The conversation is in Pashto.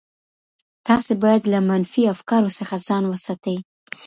تاسي باید له منفي افکارو څخه ځان وساتئ.